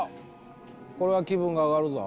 これは気分が上がるぞ。